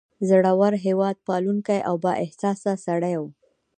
زړور، هیواد پالونکی او با احساسه سړی و.